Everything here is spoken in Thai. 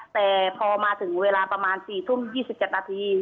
แต่พอมาถึงเวลาประมาณ๔ทุ่ม๒๗นาที